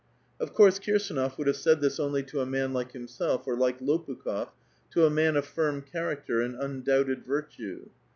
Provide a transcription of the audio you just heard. Of course Kirsdnof would bave said tliis only to a man like bimself, or like Lopukb6f, to a man of firm cbaracter and undoubted virtue.